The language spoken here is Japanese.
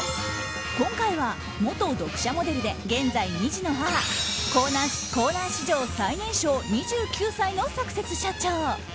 今回は、元読者モデルで現在２児の母コーナー史上最年少２９歳のサクセス社長。